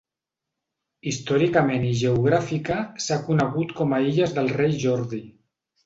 Històricament i geogràfica s'ha conegut com a illes del Rei Jordi.